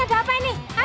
ada apa ini